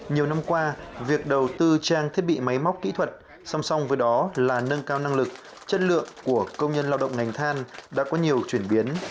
nhiều năm qua việc đầu tư trang thiết bị máy móc kỹ thuật song song với đó là nâng cao năng lực chất lượng của công nhân lao động ngành than đã có nhiều chuyển biến